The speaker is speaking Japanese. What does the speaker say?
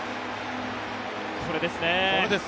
これです。